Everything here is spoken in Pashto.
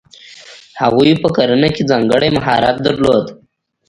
هغوی په کرنه کې ځانګړی مهارت درلود.